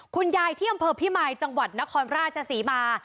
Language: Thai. คุณยายที่กำเผิกพี่มายจังหวัดนครราชสีมา